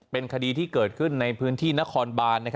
เป็นคดีที่เกิดขึ้นในพื้นที่นครบาน